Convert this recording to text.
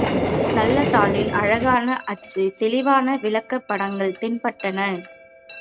நல்ல தாளில் அழகான அச்சு தெளிவான விளக்கப் படங்கள் தென்பட்டன.